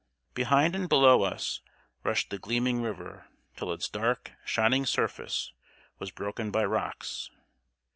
Behind and below us rushed the gleaming river, till its dark, shining surface was broken by rocks.